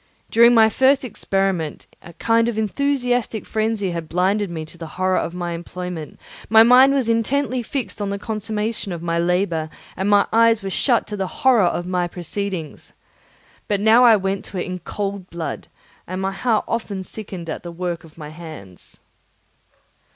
During my first experiment, a kind of enthusiastic frenzy had blinded me to the horror of my employment; my mind was intently fixed on the consummation of my labour, and my eyes were shut to the horror of my proceedings. But now I went to it in cold blood, and my heart often sickened at the work of my hands.